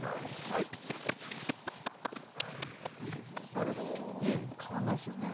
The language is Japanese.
だけど変わんないですよね。